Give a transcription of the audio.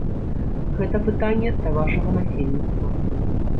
Гэта пытанне да вашага насельніцтва.